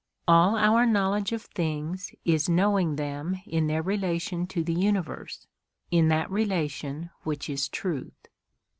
All our knowledge of things is knowing them in their relation to the Universe, in that relation which is truth.